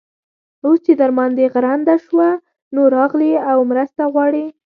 اوس چې در باندې غرنده شوه؛ نو، راغلې او مرسته غواړې.